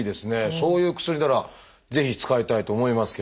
そういう薬ならぜひ使いたいと思いますけれども。